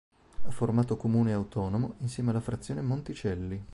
Ha formato comune autonomo insieme alla frazione Monticelli.